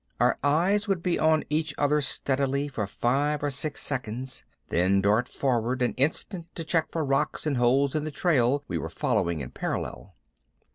Our eyes would be on each other steadily for five or six seconds, then dart forward an instant to check for rocks and holes in the trail we were following in parallel.